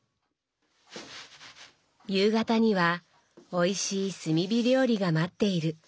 夕方にはおいしい炭火料理が待っている。